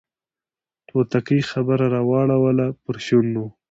توتکۍ خبره راوړله پر شونډو